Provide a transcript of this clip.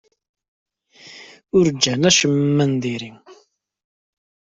Ur gin acemma n diri.